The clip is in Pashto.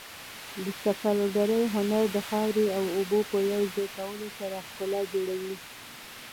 د سفالګرۍ هنر د خاورې او اوبو په یو ځای کولو سره ښکلا جوړوي.